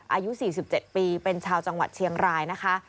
อายุ๔๗ปีเป็นชาวจังหวัดเชียงรายนะคะ